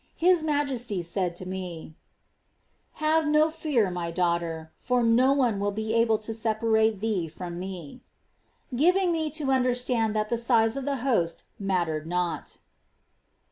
His Majesty said to me :" Have no fear, My daughter ; for no one will be able to separate thee from Me," — giving me to understand that the size of the Host mattered not.